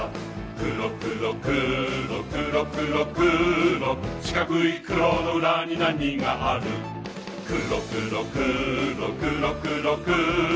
くろくろくろくろくろくろしかくいくろのうらになにがあるくろくろくろくろくろくろ